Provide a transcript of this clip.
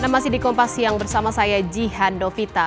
masih di kompas siang bersama saya jihan dovita